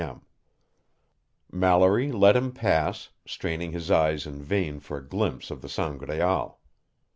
m. Mallory let him pass, straining his eyes in vain for a glimpse of the Sangraal.